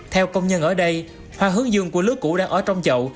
theo công nhân ở đây hoa hướng dương của lứa cũ đang ở trong chậu